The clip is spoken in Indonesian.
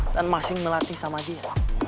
dan masing melatih sama dia